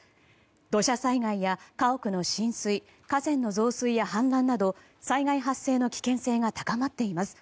土砂災害や家屋の浸水河川の増水や氾濫など災害発生の危険性が高まっています。